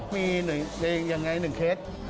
มีอย่างไรหนึ่งเคส